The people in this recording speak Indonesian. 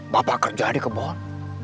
bapak kerja di kebon